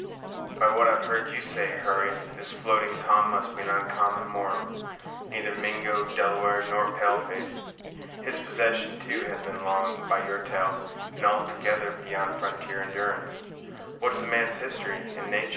"By what I've heard you say, Hurry, this Floating Tom must be an oncommon mortal; neither Mingo, Delaware, nor pale face. His possession, too, has been long, by your tell, and altogether beyond frontier endurance. What's the man's history and natur'?"